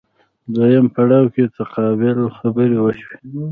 دویم پړاو کې تقابل خبرې وشوې